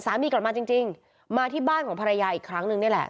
กลับมาจริงมาที่บ้านของภรรยาอีกครั้งนึงนี่แหละ